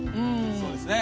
そうですね。